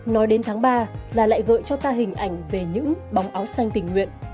nói đến tháng ba là lại gợi cho ta hình ảnh về những bóng áo xanh tình nguyện